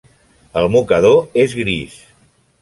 El mocador és gris.